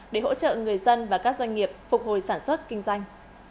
để hỗ trợ người dân và các doanh nghiệp phục hồi sản xuất kinh doanh